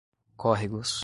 córregos